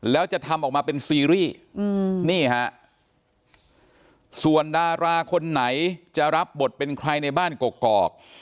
แล้วจะทำออกมาเป็นซีรีส์นี่ฮะส่วนดาราคนไหนจะรับบทเป็นใครในบ้านกกอก